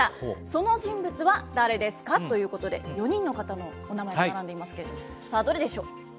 その人物は誰ですかということで、４人の方のお名前、並んでいますけれども、さあ、どれでしょう？